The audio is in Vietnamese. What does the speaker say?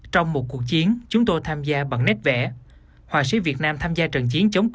trong một cuộc chiến chúng tôi tham gia bằng nét vẽ họa sĩ việt nam tham gia trận chiến chống